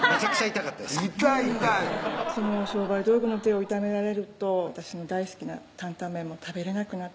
痛い痛い商売道具の手を痛められると私の大好きな担々麺も食べれなくなってしまうので